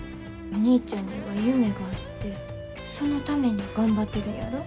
お兄ちゃんには夢があってそのために頑張ってるんやろ？